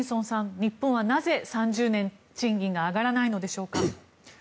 日本はなぜ３０年賃金が上がらないのでしょうか。